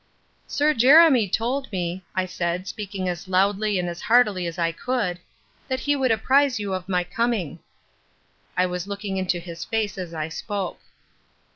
"Sir Jeremy told me," I said, speaking as loudly and as heartily as I could, "that he would apprise you of my coming." I was looking into his face as I spoke.